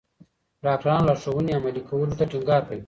ډاکټران لارښوونې عملي کولو ته ټینګار کوي.